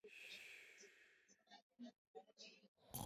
Ugonjwa huu hutokea hasa baada ya msimu mrefu wa mvua kubwa na ya mafuriko